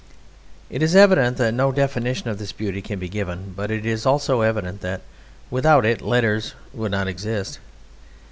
It is evident that no definition of this beauty can be given, but it is also evident that without it letters would not exist.